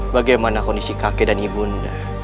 bagaimana kondisi kakek dan ibunda